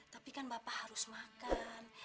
tapi kan bapak harus makan